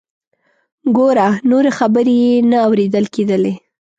ګوره…. نورې خبرې یې نه اوریدل کیدلې.